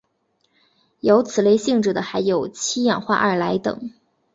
有此类似性质的还有七氧化二铼等。